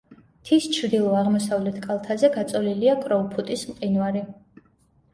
მთის ჩრდილო-აღმოსავლეთ კალთაზე გაწოლილია კროუფუტის მყინვარი.